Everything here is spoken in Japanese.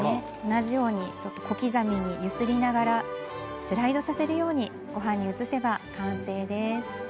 同じように小刻みに揺すりながらスライドさせるようにごはんに移していただくと完成です。